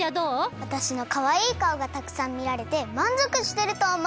わたしのかわいいかおがたくさんみられてまんぞくしてるとおもう。